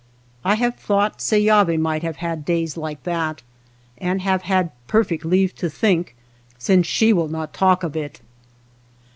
I have thought Seyavi might have had days like that, and have had per fect leave to think, since she will not talk of it.